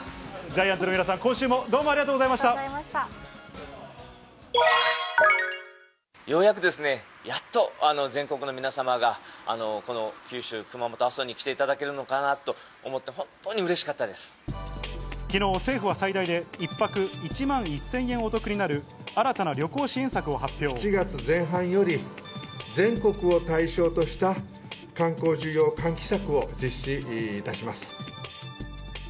ジャイアンツの皆さん、今週もどうもありがとうございまようやくですね、やっと全国の皆様が、この九州・熊本、阿蘇に来ていただけるのかなと思って、本当にうきのう、政府は最大で１泊１万１０００円お得になる新たな旅行支援策を発７月前半より全国を対象とした観光需要喚起策を実施いたします。